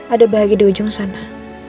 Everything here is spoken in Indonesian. ada bahagia di ujung sana